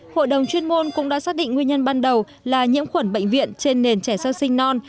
hội đồng chuyên môn cũng đã xác định nguyên nhân ban đầu là nhiễm khuẩn bệnh viện trên nền trẻ sơ sinh non